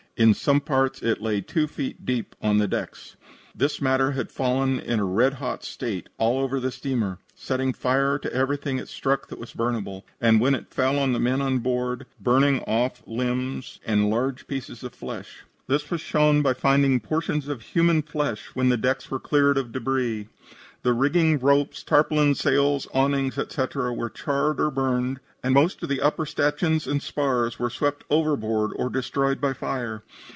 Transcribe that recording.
In some parts it lay two feet deep on the decks. This matter had fallen in a red hot state all over the steamer, setting fire to everything it struck that was burnable, and, when it fell on the men on board, burning off limbs and large pieces of flesh. This was shown by finding portions of human flesh when the decks were cleared of the debris. The rigging, ropes, tarpaulins, sails, awnings, etc., were charred or burned, and most of the upper stanchions and spars were swept overboard or destroyed by fire.